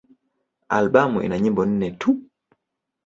Albamu ina nyimbo nne tu.